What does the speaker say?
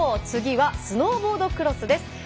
次はスノーボードクロスです。